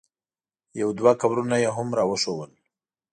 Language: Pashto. یو دوه قبرونه یې هم را وښودل.